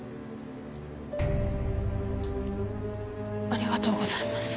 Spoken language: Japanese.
ありがとうございます。